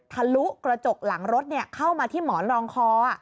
ทะลุกระจกหลังรถเข้ามาที่หมอนรองคอ